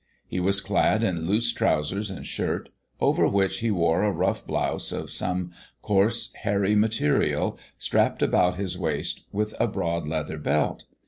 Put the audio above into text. He was clad in loose trousers and shirt, over which he wore a rough blouse of some coarse, hairy material, strapped about his waist with a broad leather belt.